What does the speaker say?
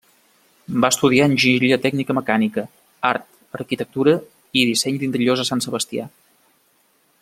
Va estudiar enginyeria tècnica mecànica, art, arquitectura i disseny d'interiors a Sant Sebastià.